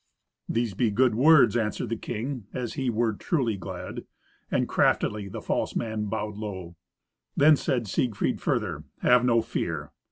"These be good words," answered the king, as he were truly glad, and craftily the false man bowed low. Then said Siegfried further, "Have no fear."